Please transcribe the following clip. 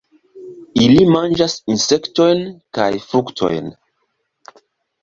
Ili manĝas insektojn kaj fruktojn.